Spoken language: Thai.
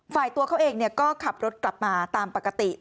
ตัวเขาเองก็ขับรถกลับมาตามปกติ